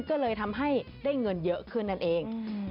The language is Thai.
ก็เลยทำให้ได้เงินเยอะขึ้นนั่นเอง